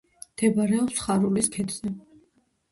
მდებარეობს ხარულის ქედზე.